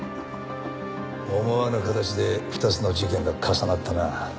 思わぬ形で２つの事件が重なったな。